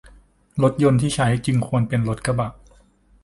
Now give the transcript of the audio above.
รถยนต์ที่ใช้จึงควรเป็นรถกระบะ